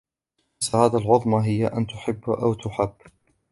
السعادة العظمى هي أن تُحِب أو تُحَب.